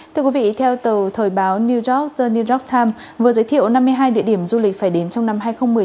thưa quý vị theo tờ thời báo new york the new york times vừa giới thiệu năm mươi hai địa điểm du lịch phải đến trong năm hai nghìn một mươi